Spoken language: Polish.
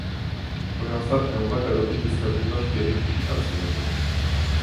Moja ostatnia uwaga dotyczy stabilności rynku finansowego